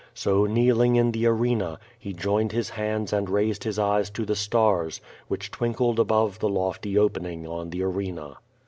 So, kneeling in the arena, he joined his hands and raised his eyes to the stars, which twinkled above the lofty opening on the arena.